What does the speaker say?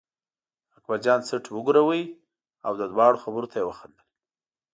اکبرجان څټ و ګراوه او د دواړو خبرو ته یې وخندل.